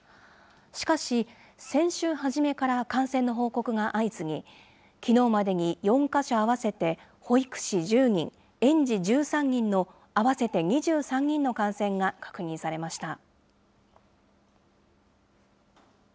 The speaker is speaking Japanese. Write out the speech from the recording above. しかし、先週初めから感染の報告が相次ぎ、きのうまでに４か所合わせて保育士１０人、園児１３人の合わせて２３人の感染が確認されました。